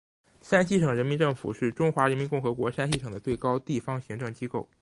山西省人民政府是中华人民共和国山西省的最高地方行政机构。